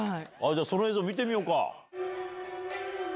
じゃあ、その映像見てみようか。